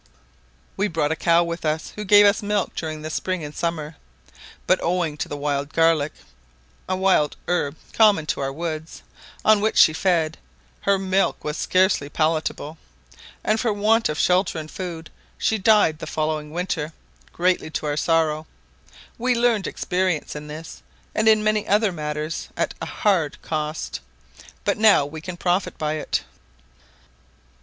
"We brought a cow with us, who gave us milk during the spring and summer; but owing to the wild garlic (a wild herb, common to our woods), on which she fed, her milk was scarcely palatable, and for want of shelter and food, she died the following winter, greatly to our sorrow: we learned experience in this and in many other matters at a hard cost; but now we can profit by it."